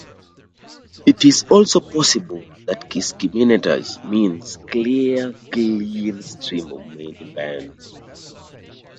It is also possible that "Kiskiminetas" means "clear, clean stream of many bends.